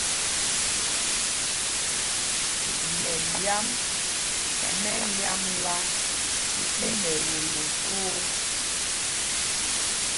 Mɛlyam mɛ lyāmla tí mɛwolo twóó.